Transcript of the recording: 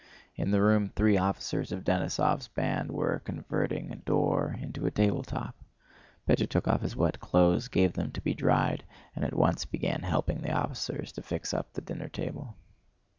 In the room three officers of Denísov's band were converting a door into a tabletop. Pétya took off his wet clothes, gave them to be dried, and at once began helping the officers to fix up the dinner table.